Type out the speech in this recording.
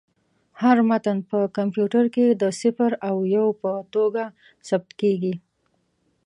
هر متن په کمپیوټر کې د صفر او یو په توګه ثبت کېږي.